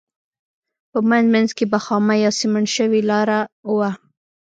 په منځ منځ کې به خامه یا سمنټ شوې لاره وه.